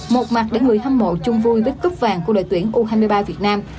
một mặt để người hâm mộ chung vui bích cúc vàng của đội tuyển u hai mươi ba việt nam